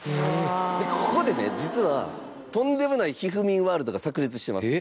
ここでね、実は、とんでもないひふみんワールドが炸裂してます。